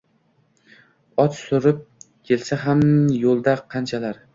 Ot surib kelsa ham yo’lda qanchalar.